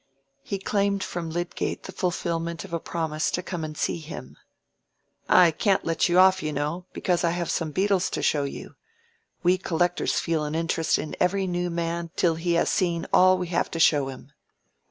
He claimed from Lydgate the fulfilment of a promise to come and see him. "I can't let you off, you know, because I have some beetles to show you. We collectors feel an interest in every new man till he has seen all we have to show him."